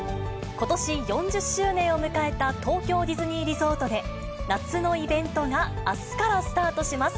ことし４０周年を迎えた東京ディズニーリゾートで、夏のイベントがあすからスタートします。